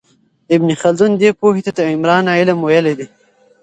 ابن خلدون دې پوهې ته د عمران علم ویلی دی.